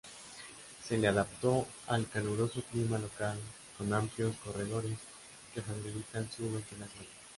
Se le adaptó al caluroso clima local, con amplios corredores que facilitan su ventilación.